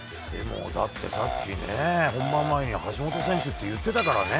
さっき、本番前に橋本選手って言ってからね。